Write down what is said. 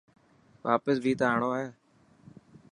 واپس بي ته آڻو هي.